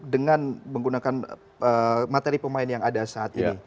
dengan menggunakan materi pemain yang ada saat ini